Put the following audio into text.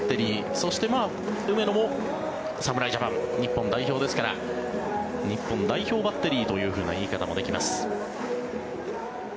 そして梅野も侍ジャパン日本代表ですから日本代表バッテリーという言い方もできます。